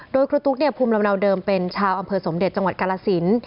และคุณตุ๊กภูมิเหล่าเดิมเป็นชาวอำเภอสมเด็จจังหวัดกาลสิน